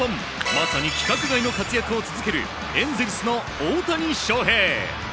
まさに規格外の活躍を続けるエンゼルスの大谷翔平！